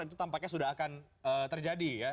itu tampaknya sudah akan terjadi ya